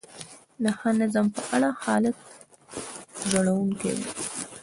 د ښه نظم په اړه حالت ژړونکی دی.